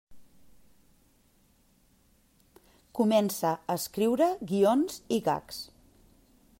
Comença a escriure guions i gags.